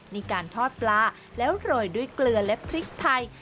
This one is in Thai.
มีการทอดปลาแล้วโรยด้วยเกลือและพริกไทย